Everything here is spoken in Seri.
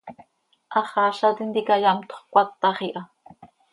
Haxaaza tintica yamtxö cöcatax iha.